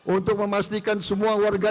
untuk memastikan semua warga